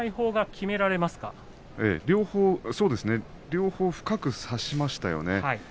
両方、深く差しましたよね。